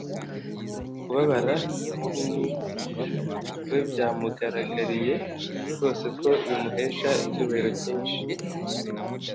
Kubabara nk'Umwigisha we byamugaragariye rwose ko bimuhesha icyubahiro cyinshi.